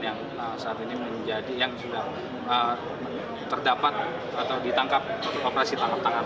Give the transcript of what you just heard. yang saat ini menjadi yang sudah terdapat atau ditangkap operasi tangkap tangan